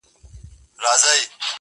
پخواني تمدنونه پرمختللي وو